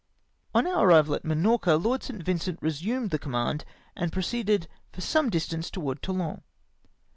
On our arrival at Minorca, Lord St. Vincent resumed the command, and proceeded for some distance towards Toulon.